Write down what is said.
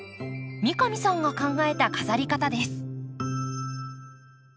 三上さんが考えた飾り方です。